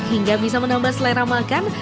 hingga bisa menambah selera makan